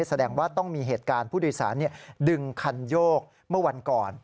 แสดงว่าต้องมีเหตุการณ์ผู้โดยสารดึงคันโยกเมื่อวันก่อน